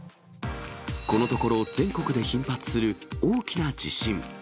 このところ、全国で頻発する大きな地震。